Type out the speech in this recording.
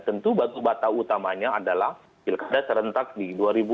tentu batu bata utamanya adalah pilkada serentak di dua ribu dua puluh